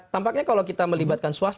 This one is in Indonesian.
tampaknya kalau kita melibatkan swasta